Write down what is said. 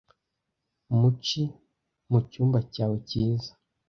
mu ci mucyumba cyawe cyiza